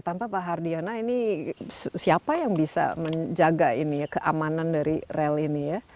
tanpa pak hardiana ini siapa yang bisa menjaga ini ya keamanan dari rel ini ya